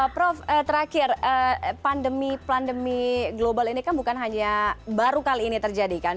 prof terakhir pandemi pandemi global ini kan bukan hanya baru kali ini terjadi kan